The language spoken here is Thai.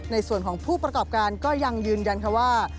ในส่วนของผู้ประกอบการก็ยังยืนยันค่ะว่า